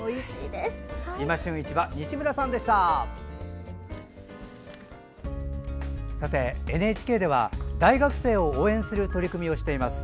ＮＨＫでは大学生を応援する取り組みをしています。